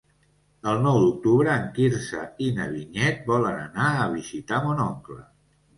El nou d'octubre en Quirze i na Vinyet volen anar a visitar mon oncle.